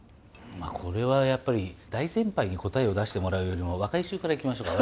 これはやっぱり大先輩に答えを出してもらうよりも若い衆から行きましょうか。